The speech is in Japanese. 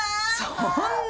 そんな。